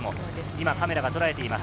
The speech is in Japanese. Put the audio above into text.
今、カメラが捉えています。